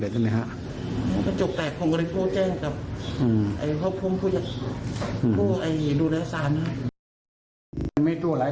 ได้ตู้เดียวอาวตู้กระจกมันทุกละ